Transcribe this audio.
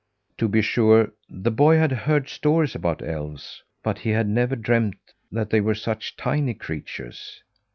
To be sure, the boy had heard stories about elves, but he had never dreamed that they were such tiny creatures.